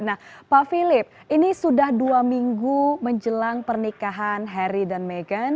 nah pak philip ini sudah dua minggu menjelang pernikahan harry dan meghan